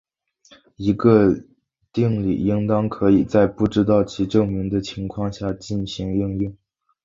一个定理应当可以在不知道其证明的情况下进行应用。